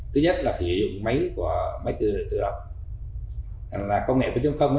thứ nhất là phải sử dụng máy tự động là công nghệ tự động không